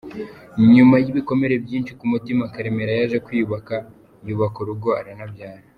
Nyuma y’ibikomere byinshi ku mutima, Karemera yaje kwiyubaka, yubaka urugo aranabyara.